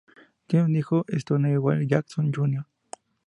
Tiene un hijo: Stonewall Jackson Jr.